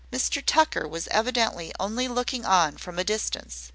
Mr Tucker was evidently only looking on from a distance.